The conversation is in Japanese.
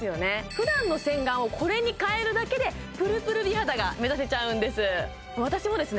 ふだんの洗顔をこれに変えるだけでプルプル美肌が目指せちゃうんです私もですね